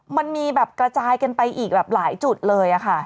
มันมีกระจายกันไปอีกหลายจุดเลย